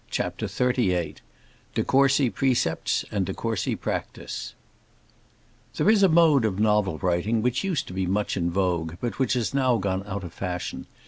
CHAPTER XXXVIII De Courcy Precepts and de Courcy Practice There is a mode of novel writing which used to be much in vogue, but which has now gone out of fashion.